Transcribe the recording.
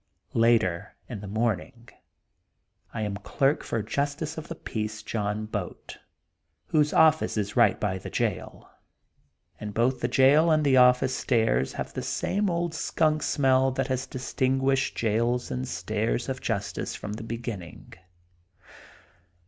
' Later in the morning I am clerk for Justice of the Peace John Boat, whose office is right by the jail. 70 THE GOLDEN BOOK OF SPRINGFIELD And both the jail and the office stairs have the same old skunk smell that has distinguished jails and the stairs of justice from the begin ning.